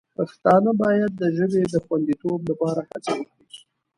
پښتانه باید د ژبې د خوندیتوب لپاره هڅه وکړي.